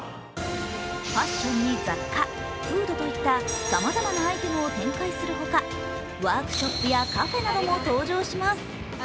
ファッションや雑貨、フードといったさまざまなアイテムを展開するほかワークショップやカフェなども展開します。